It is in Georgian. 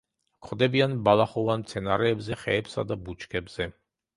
გვხვდებიან ბალახოვან მცენარეებზე, ხეებსა და ბუჩქებზე.